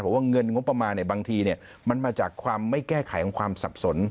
เพราะว่าเงินงบประมาณบางทีมันมาจากความไม่แก้ไขของความสับสน